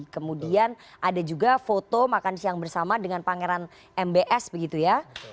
kemudian ada juga foto makan siang bersama dengan pangeran mbs begitu ya